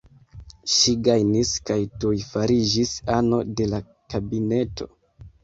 Ŝi gajnis kaj tuj fariĝis ano de la kabineto.